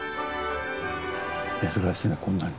珍しいねこんなに。